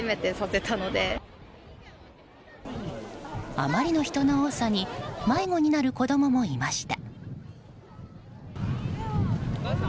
あまりの人の多さに迷子になる子供もいました。